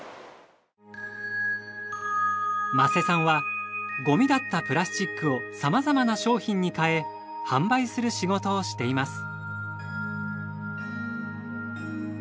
間瀬さんはごみだったプラスチックを様々な商品に変え販売する仕事をしています。